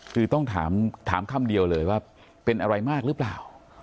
คือต้องถามคำเดียวเลยว่าเป็นอะไรมากหรือเปล่า